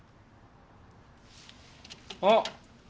あっ！